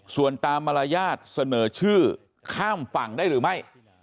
ส่วนตามมารยาทเสนอชื่อข้ามฝั่งได้หรือไม่